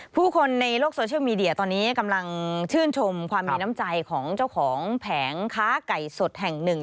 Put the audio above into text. ผู้คนในโลกโซเชียลมีเดียตอนนี้กำลังชื่นชมความมีน้ำใจของเจ้าของแผงค้าไก่สดแห่งหนึ่ง